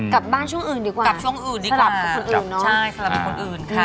กลับบ้านช่วงอื่นดีกว่าสำหรับคนอื่นน้องกลับช่วงอื่นดีกว่าใช่สำหรับคนอื่นค่ะ